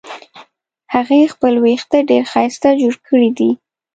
هغې خپل وېښته ډېر ښایسته جوړ کړې دي